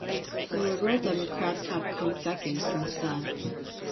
The Liberal Democrats have come second since then.